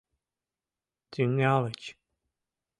Тӱҥальыч...